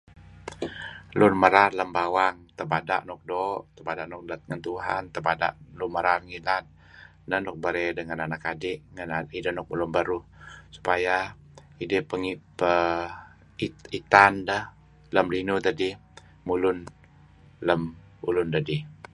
Lun merar lem bawang, tebada' nuk doo' tebada' nuk let ngen Tuhan, tebada' lun merar ngilad. Neh nuk berey deh nega anak ad'.. ideh nuk mulun beruh supaya idih pe... itan deh mulun lem ulun beruh dedih.